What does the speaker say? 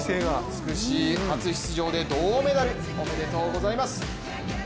美しい、初出場で銅メダル、おめでとうございます。